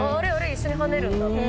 一緒に跳ねるんだ」とか。